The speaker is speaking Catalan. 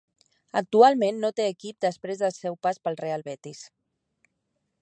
Actualment no té equip després del seu pas pel Real Betis.